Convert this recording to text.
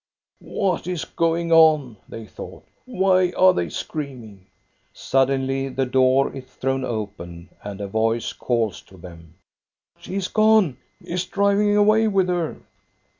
"What is going on?" they thought. "Why are they screaming?" THE YOUNG COUNTESS \%^ Suddenly the door is thrown open, and a voice calls to them. " She is gone. He is driving away with her."